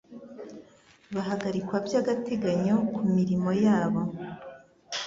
bahagarikwa by agateganyo k’umirimo yabo